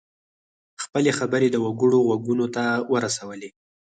خپلې خبرې د وګړو غوږونو ته ورسولې.